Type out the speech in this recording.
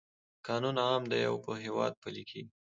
قانون عام دی او په هیواد پلی کیږي.